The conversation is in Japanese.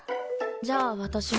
じゃあ私も。